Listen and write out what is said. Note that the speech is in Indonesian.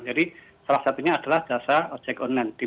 jadi salah satunya adalah jasa check online